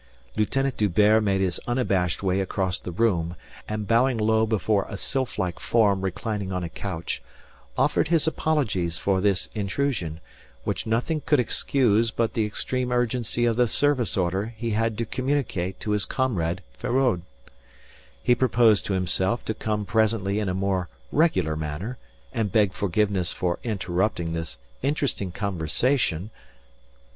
Lieutenant D'Hubert made his unabashed way across the room, and bowing low before a sylphlike form reclining on a couch, offered his apologies for this intrusion, which nothing could excuse but the extreme urgency of the service order he had to communicate to his comrade Feraud. He proposed to himself to come presently in a more regular manner and beg forgiveness for interrupting this interesting conversation....